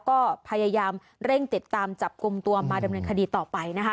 ก็พยายามเร่งติดตามจับกลุ่มตัวมาดำเนินคดีต่อไปนะคะ